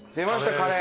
カレー。